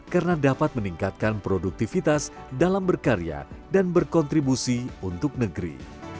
karena dapat meningkatkan produktivitas dalam berkarya dan berkontribusi untuk negeri